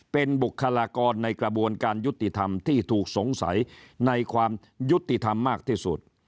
เป็นบุคลากรในกระบวนการยุติธรรมที่ถูกสงสัยในความยุติธรรมมากที่สุด